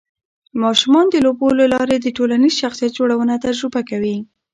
ماشومان د لوبو له لارې د ټولنیز شخصیت جوړونه تجربه کوي.